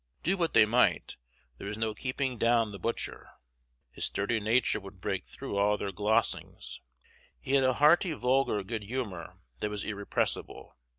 Do what they might, there was no keeping down the butcher. His sturdy nature would break through all their glozings. He had a hearty vulgar good humor that was irrepressible.